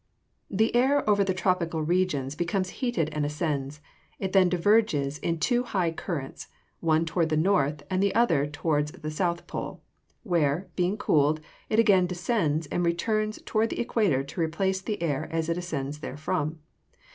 _ The air over the tropical regions becomes heated and ascends; it then diverges in two high currents, one towards the north, and the other towards the south pole, where, being cooled, it again descends, and returns towards the equator to replace the air as it ascends therefrom.